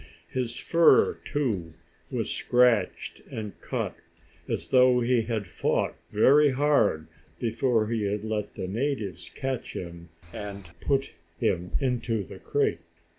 His fur, too, was scratched and cut, as though he had fought very hard, before he had let the natives catch him and put him into the crate.